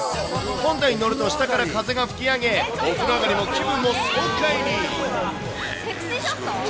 本体に乗ると下から風が吹き上げ、お風呂上がりも気分爽快に。